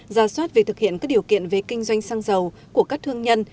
ra soát về thực hiện các điều kiện về kinh doanh xăng dầu của các thương nhân